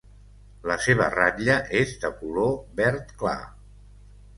La seva ratlla és de color verd clar.